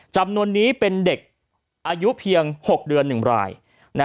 จำนวนนี้เป็นเด็กอายุเพียง๖เดือน๑ราย